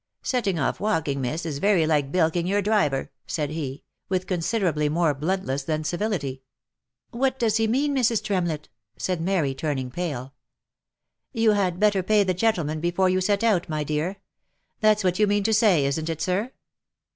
" Setting off walking, miss, is very like bilking your driver," said he, with considerably more bluntness than civility. u What does he mean, Mrs. Tremlett V* said Mary, turning pale. " You had better pay the gentleman before you set out, my dear. That's what you mean to say, isn't it, sir